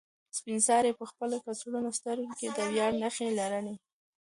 سپین سرې په خپل کڅوړنو سترګو کې د ویاړ نښې لرلې.